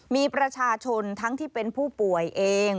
มีประชาชนทั้งที่เป็นผู้ป่วยเอง